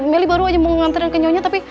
meli baru aja mau nganterin ke nyonya tapi